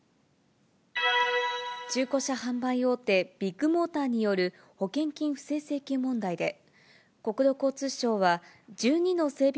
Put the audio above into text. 中古車販売大手、ビッグモーターによる保険金不正請求問題で、国土交通省は１２の整備